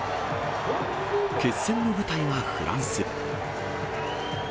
決戦の舞台はフランス。